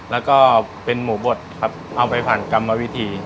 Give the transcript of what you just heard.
แล้วก็เป็นหมูบดครับเอาไปผ่านกรรมวิธี